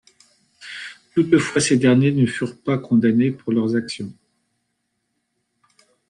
Toutefois, ces derniers ne furent pas condamnés pour leurs actions.